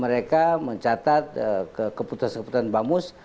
mereka mencatat keputusan keputusan bamus